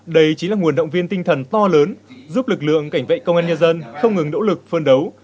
đây chính là nguồn động viên tinh thần to lớn giúp lực lượng cảnh vệ công an nhân dân không ngừng nỗ lực phân đấu